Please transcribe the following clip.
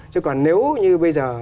chứ còn nếu như bây giờ